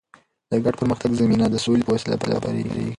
د ګډ پرمختګ زمینه د سولې په وسیله برابریږي.